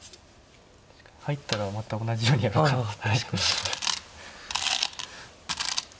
入ったらまた同じようにやるかな。